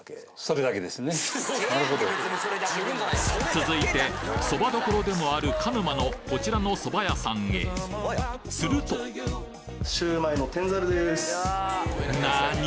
続いてそば処でもある鹿沼のこちらの蕎麦屋さんへするとなに！？